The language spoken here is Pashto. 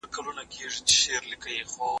هغه هېڅکله خپلي تجربې له نورو خلګو سره نه شریکوي.